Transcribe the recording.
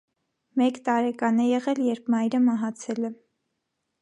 Մեկ տարեկան է եղել, երբ մայրը մահացել է։